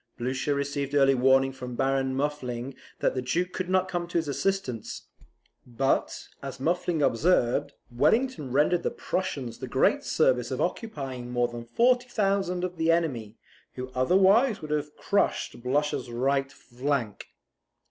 Blucher received early warning from Baron Muffling that the Duke could not come to his assistance; but, as Muffling observes, Wellington rendered the Prussians the great service of occupying more than 40,000 of the enemy, who otherwise would have crushed Blucher's right flank.